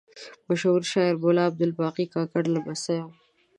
مشهور شاعر ملا عبدالباقي کاکړ لمسی و.